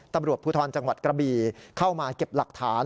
ตำหรับภูทรจกระบีเข้ามาเก็บหลักฐาน